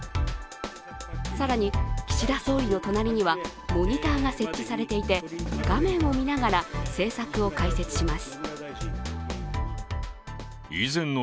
更に岸田総理の隣にはモニターが設置されていて、画面を見ながら政策を解説します。